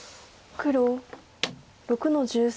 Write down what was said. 黒６の十三。